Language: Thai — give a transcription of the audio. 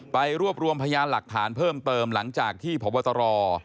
รวบรวมพยานหลักฐานเพิ่มเติมหลังจากที่พบตร